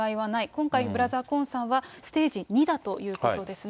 今回、ブラザー・コーンさんはステージ２だということですね。